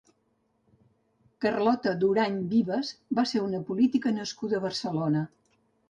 Carlota Durany Vives va ser una política nascuda a Barcelona.